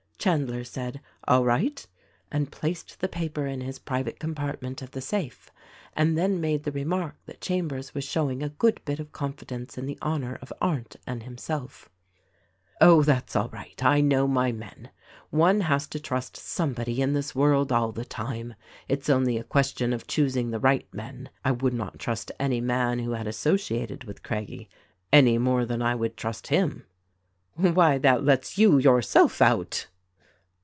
Chandler said, "All right," and placed the paper in his private compartment of the safe, and then made the remark that Chambers was showing a good bit of confidence in the honor of Arndt and himself. "Oh, that's all right ; I know my men. One has to trust somebody in this world all the time. It's only a question of choosing the right men. I would not trust any man who had associated with Craggie — any more than I would trust him." "Why, that lets you, yourself, out!"